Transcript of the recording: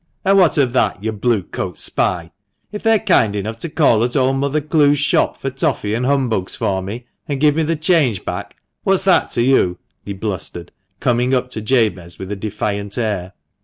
"And what of that, you Blue coat spy ? If they're kind enough to call at old mother Clowes' shop for toffy and humbugs for me, and give me the change back, what's that to you ?" he blustered, coming up to Jabez with a defiant air.